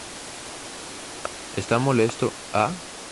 Esto molestó a?